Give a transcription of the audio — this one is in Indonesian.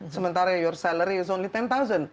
sementara uang uang kamu hanya sepuluh